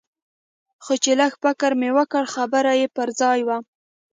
خو چې لږ فکر مې وکړ خبره يې پر ځاى وه.